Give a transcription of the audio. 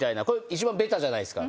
一番ベタじゃないですか。